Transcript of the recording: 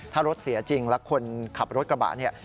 ถ้ารถเสียจริงแล้วคนขับรถกระบะเนี่ย